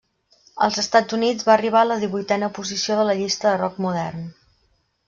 Als Estats Units va arribar a la divuitena posició de la llista de rock modern.